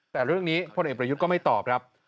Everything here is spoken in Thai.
แต่เรื่องนี้พลเอกประยุทธ์ก็ไม่ตอบครับ